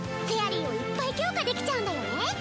フェアリーをいっぱい強化できちゃうんだよね！